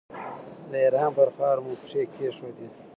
د ایران پر خاوره مو پښې کېښودې.